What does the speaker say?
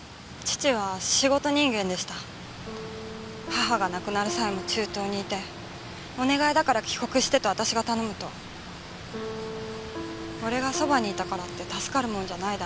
母が亡くなる際も中東にいてお願いだから帰国してと私が頼むと「俺がそばにいたからって助かるもんじゃないだろう」